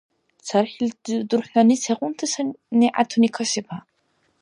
— ЦархӀилти дурхӀнани сегъунти санигӀятуни касиба?